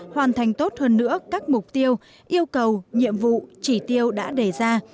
hoàn thành tốt hơn nữa các mục tiêu yêu cầu nhiệm vụ chỉ tiêu đã đề ra